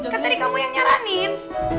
kan dari kamu yang nyaranin